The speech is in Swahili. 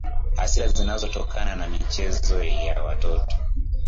Hasara zinazotokana na michezo ya watoto